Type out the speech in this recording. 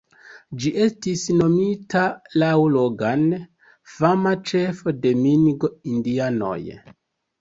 Ĝi estis nomita laŭ Logan, fama ĉefo de Mingo-indianoj.